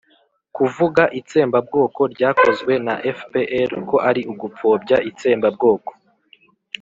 kuvuga itsembabwoko ryakozwe na fpr ko ari ugupfobya itsembabwoko